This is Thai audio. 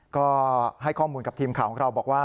ก็ให้ข้อมูลกับทีมข่าวของเราบอกว่า